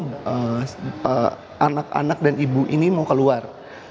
jadi anak anak dan ibu ini mau keluar